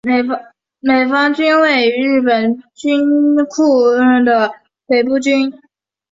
美方郡是位于日本兵库县西北部的郡。